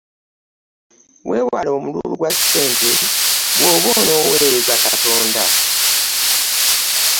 Weewale omululu gwa ssente bw'oba onooweereza Katonda.